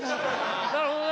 なるほどな。